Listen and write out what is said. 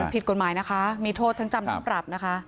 ผิดกฎหมายนะคะมีโทษทั้งจำทั้งปรับนะคะ